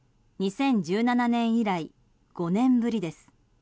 ２０１７年以来５年ぶりです。